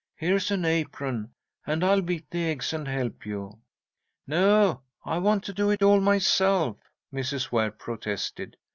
"Here's an apron, and I'll beat the eggs and help you." "No, I want to do it all myself," Mrs. Ware protested.